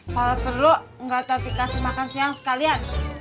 kalo perlu enggak tadi kasih makan siang sekalian